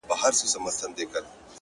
o ستا د شعر دنيا يې خوښـه سـوېده،